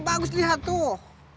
bagus lihat tuh